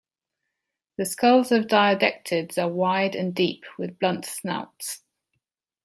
The skulls of diadectids are wide and deep with blunt snouts.